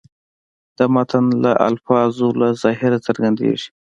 د متن د الفاظو له ظاهره څرګندېږي.